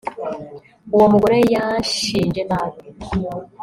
Uwo mugore yanshinje nabi